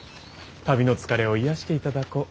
旅の疲れを癒やしていただこう。